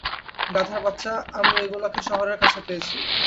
গাধার বাচ্চা, আমরা এগুলোকে শহরের কাছে পেয়েছি।